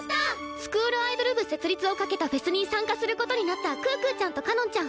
スクールアイドル部設立をかけたフェスに参加することになった可可ちゃんとかのんちゃん。